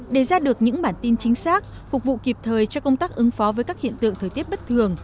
để ra được những bản tin chính xác phục vụ kịp thời cho công tác ứng phó với các hiện tượng thời tiết bất thường